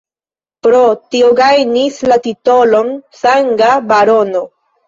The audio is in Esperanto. Pro tio gajnis la titolon Sanga Barono.